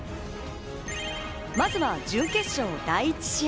まずは準決勝、第１試合。